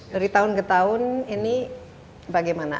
dari tahun ke tahun ini bagaimana